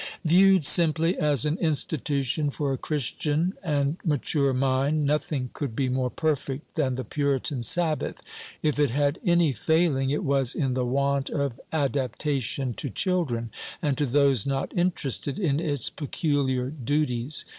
Viewed simply as an institution for a Christian and mature mind, nothing could be more perfect than the Puritan Sabbath: if it had any failing, it was in the want of adaptation to children, and to those not interested in its peculiar duties.